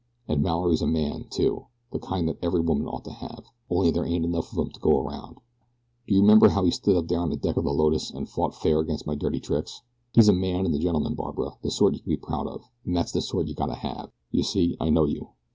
"And Mallory's a man, too the kind that every woman ought to have, only they ain't enough of 'em to go 'round. Do you remember how he stood up there on the deck of the Lotus and fought fair against my dirty tricks? He's a man and a gentleman, Barbara the sort you can be proud of, and that's the sort you got to have. You see I know you.